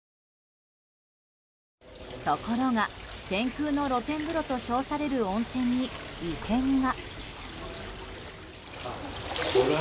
ところが、天空の露天風呂と称される温泉に、異変が。